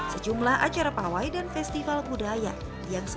serta berbakti kepada nusa dan bangsa